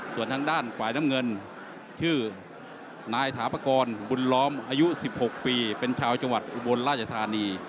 ส่วนทางด้านฝ่ายน้ำเงินชื่อนายถาปกรณ์บุญล้อมอายุ๑๖ปีเป็นชาวจังหวัดอุบลราชธานี